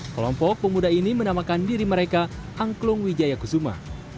kelompok pemuda ini menamakan diri mereka angklung wijaya kusuma